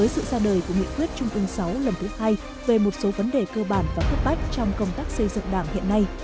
sự ra đời của nghị quyết trung ương sáu lần thứ hai về một số vấn đề cơ bản và cấp bách trong công tác xây dựng đảng hiện nay